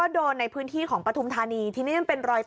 แล้วก็โดนในพื้นที่ของปทมธานีที่นี่มันเป็นรอยต่อ